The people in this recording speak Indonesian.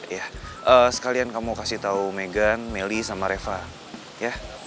iya sekalian kamu kasih tau megan meli sama reva ya